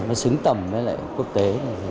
nó xứng tầm với lại quốc tế